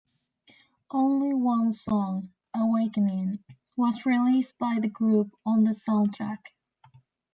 Only one song, "Awakening", was released by the group on the soundtrack.